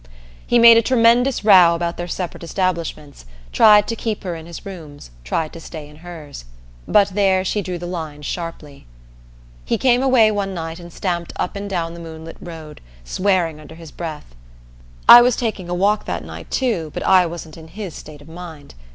He made a tremendous row about their separate establishments, tried to keep her in his rooms, tried to stay in hers. But there she drew the line sharply. He came away one night, and stamped up and down the moonlit road, swearing under his breath. I was taking a walk that night too, but I wasn't in his state of mind.